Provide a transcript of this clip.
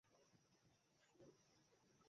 চারিত্রিক সুষমায় তিনি তাদের মাঝে পরিপূর্ণ।